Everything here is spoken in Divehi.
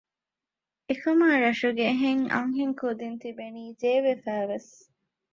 އެކަމާ ރަށުގެ އެހެން އަންހެން ކުދީން ތިބެނީ ޖޭވެފައިވެސް